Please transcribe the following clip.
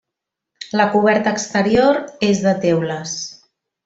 La coberta exterior és de teules.